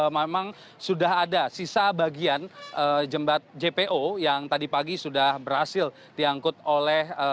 memang sudah ada sisa bagian jembatan jpo yang tadi pagi sudah berhasil diangkut oleh